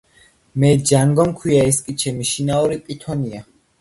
მე ჯანგო მქვია, ეს კი ჩემი შინაური პითონია.